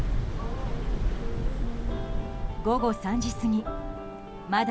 午後３時過ぎまだ